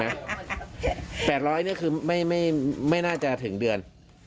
ข้าวเนื้อหมูข้าวน้ำปลาก็หมดแล้ว